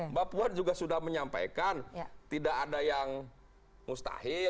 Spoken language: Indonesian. mbak puan juga sudah menyampaikan tidak ada yang mustahil